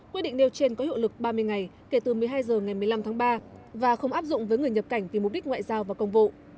quyết định nêu trên có hiệu lực ba mươi ngày kể từ một mươi hai h ngày một mươi năm tháng ba và không áp dụng với người nhập cảnh vì mục đích ngoại giao và công vụ